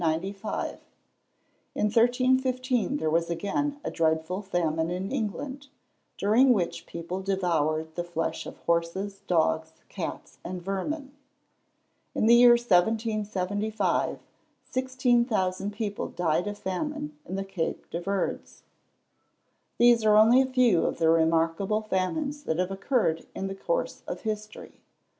In 1315 there was again a dreadful famine in England, during which people devoured the flesh of horses, dogs, cats, and vermin! In the year 1775, 16,000 people died of famine in the Cape de Verds. These are only a few of the remarkable famines that have occurred in the course of history.